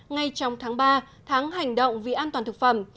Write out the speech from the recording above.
ngay trong tháng ba tháng hành động vì an toàn thực phẩm